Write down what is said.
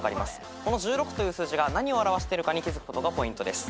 この１６という数字が何を表しているかに気付くことがポイントです。